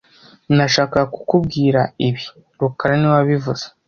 Nashakaga kukubwira ibi rukara niwe wabivuze